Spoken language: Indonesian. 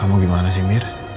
kamu gimana sih mir